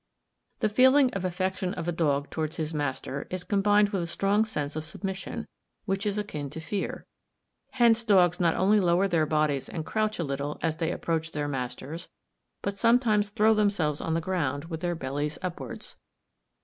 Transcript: The feeling of affection of a dog towards his master is combined with a strong sense of submission, which is akin to fear. Hence dogs not only lower their bodies and crouch a little as they approach their masters, but sometimes throw themselves on the ground with their bellies upwards.